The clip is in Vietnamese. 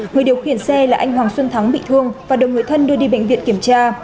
người điều khiển xe là anh hoàng xuân thắng bị thương và được người thân đưa đi bệnh viện kiểm tra